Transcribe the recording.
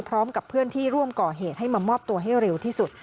พร้อมกับเพื่อนที่ร่วมก่อเหตุให้มามอบตัวให้เร็วที่สุด